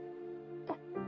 あっ。